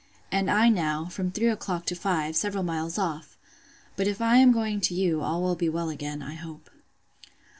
And I now, from three o'clock to five, several miles off! But if I am going to you, all will be well again, I hope.